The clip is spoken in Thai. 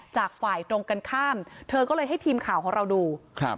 จากฝ่ายตรงกันข้ามเธอก็เลยให้ทีมข่าวของเราดูครับ